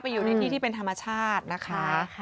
อยู่ในที่ที่เป็นธรรมชาตินะคะ